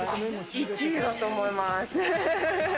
１位だと思います。